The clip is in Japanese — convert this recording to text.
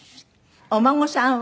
お孫さんは？